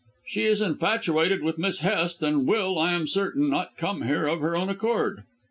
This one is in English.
"She is infatuated with Miss Hest and will, I am certain, not come here of her own accord."